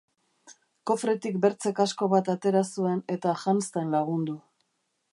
Kofretik bertze kasko bat atera zuen, eta janzten lagundu.